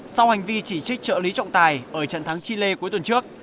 sau hành vi chỉ trích trợ lý trọng tài ở trận thắng chile cuối tuần trước